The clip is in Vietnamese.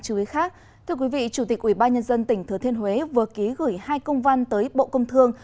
thưa quý vị chủ tịch ubnd tỉnh thừa thiên huế vừa ký gửi hai công văn tới bộ công thương